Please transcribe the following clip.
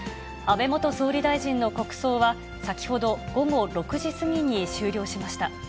安倍元総理大臣の国葬は、先ほど午後６時過ぎに終了しました。